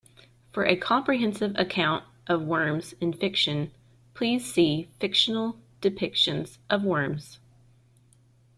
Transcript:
For a comprehensive account of worms in fiction, please see Fictional depictions of worms.